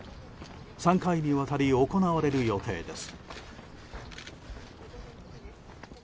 ３回にわたり行われる予定です。